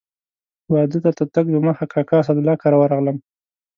واده ته تر تګ دمخه کاکا اسدالله کره ورغلم.